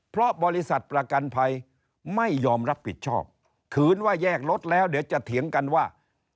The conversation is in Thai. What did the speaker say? เพราะบริษัทประกันภัยไม่ยอมรับผิดชอบขืนว่าแยกรถแล้วเดี๋ยวจะเถียงกันว่า